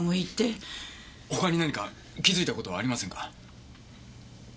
他に何か気づいた事はありませんか？